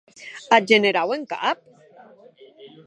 Ath generau en cap?